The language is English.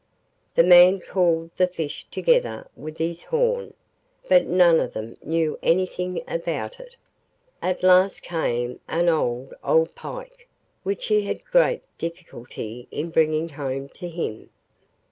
The man called the fish together with his horn, but none of them knew anything about it. At last came an old, old pike, which he had great difficulty in bringing home to him.